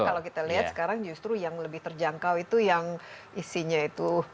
karena kalau kita lihat sekarang justru yang lebih terjangkau itu yang isinya itu